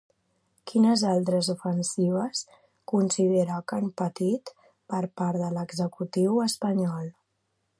Quines altres ofensives considera que han patit per part de l'executiu espanyol?